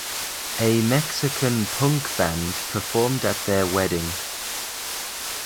A Mexican punk band performed at their wedding.